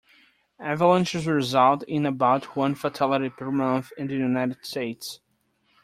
Avalanches result in about one fatality per month in the United States.